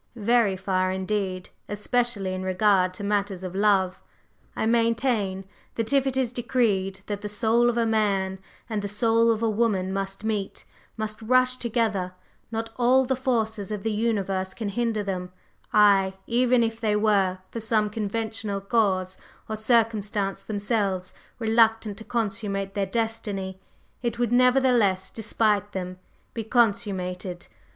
"Very far indeed, especially in regard to matters of love. I maintain that if it is decreed that the soul of a man and the soul of a woman must meet, must rush together, not all the forces of the universe can hinder them; aye, even if they were, for some conventional cause or circumstance themselves reluctant to consummate their destiny, it would nevertheless, despite them, be consummated.